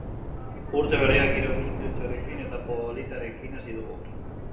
Urte berria giro eguzkitsuarekin eta politarekin hasi dugu.